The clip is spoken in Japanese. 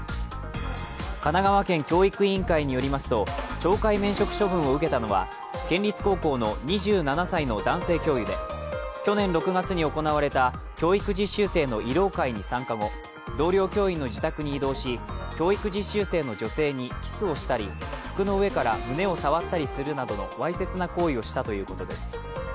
神奈川県教育委員会によりますと懲戒免職処分を受けたのは県立高校の２７歳の男性教諭で、去年６月に行われた教育実習生の慰労会に参加後、同僚教員の自宅に移動し教育実習生の女性にキスをしたり服の上から胸を触ったりするなどのわいせつな行為をしたということです。